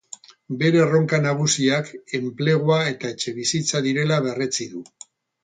Bere erronka nagusiak enplegua eta etxebizitza direla berretsi du.